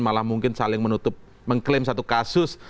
malah mungkin saling menutup mengklaim satu kasus